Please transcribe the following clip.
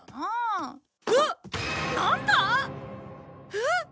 えっ？